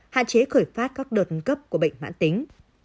hạn chế khởi phát các đợt cấp của bệnh mãn tính